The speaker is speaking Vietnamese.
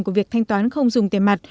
của việc thanh toán không dùng tiền mặt